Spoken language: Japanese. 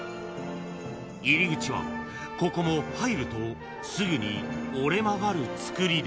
［入り口はここも入るとすぐに折れ曲がるつくりで］